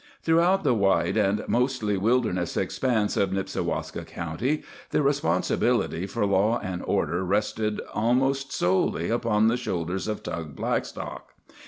Throughout the wide and mostly wilderness expanse of Nipsiwaska County the responsibility for law and order rested almost solely upon the shoulders of Tug Blackstock.